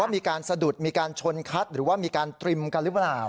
มีการสะดุดมีการชนคัดหรือว่ามีการตรึมกันหรือเปล่า